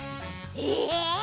え！